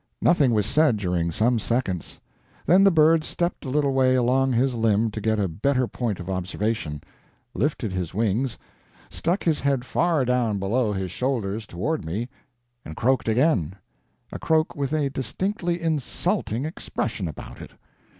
Nothing was said during some seconds. Then the bird stepped a little way along his limb to get a better point of observation, lifted his wings, stuck his head far down below his shoulders toward me and croaked again a croak with a distinctly insulting expression about it.